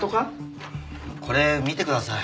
これ見てください。